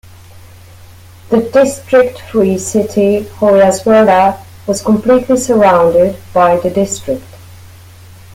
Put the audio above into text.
The district-free city Hoyerswerda was completely surrounded by the district.